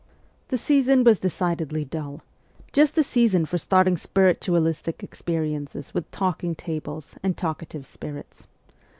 The season was decidedly dull just the season for starting spiritualistic experiences with talking tables and talka tive spirits.